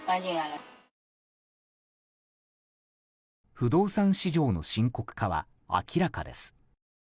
不動産市場の深刻化は明らかです。